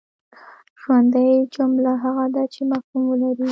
ژوندۍ جمله هغه ده چي مفهوم ولري.